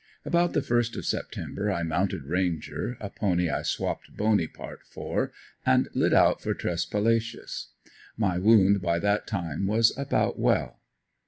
About the first of September I mounted Ranger, a pony I swapped Boney part for and lit out for Tresspalacious. My wound by that time was about well.